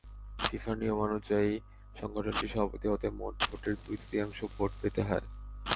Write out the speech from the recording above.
ফিফার নিয়মানুযায়ী, সংগঠনটির সভাপতি হতে মোট ভোটের দুই তৃতীয়াংশ ভোট পেতে হয়।